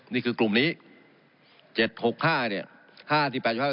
นี่คือกลุ่มนี้๗๖๕เนี่ย